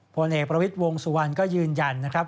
ผลเอกประวิทย์วงสุวรรณก็ยืนยันนะครับ